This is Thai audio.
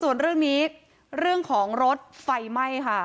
ส่วนเรื่องนี้เรื่องของรถไฟไหม้ค่ะ